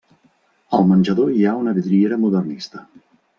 Al menjador hi ha una vidriera modernista.